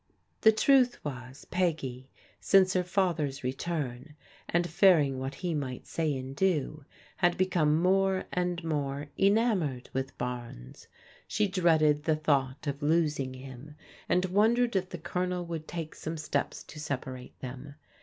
The truth was Peggy, since her father's reXutti^ ^sA 60 PEODIGAL DAUGHTERS fearing what he might say and do, had become more and more enamoured with Barnes. She dreaded the thought of losing him, and wondered if the Colonel wotild take some steps to separate them.